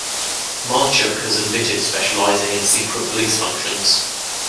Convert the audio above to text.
Marchuk has admitted specializing in secret police functions.